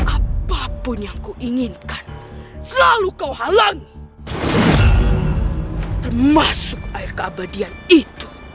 apapun yang kuinginkan selalu kau halangi termasuk air keabadian itu